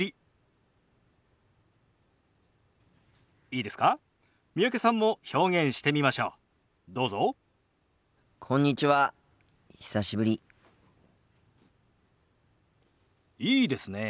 いいですねえ。